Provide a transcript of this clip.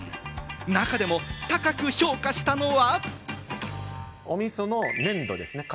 中でも高く評価したのは。